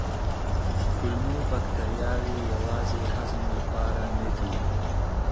کولمو بکتریاوې یوازې هضم لپاره نه دي.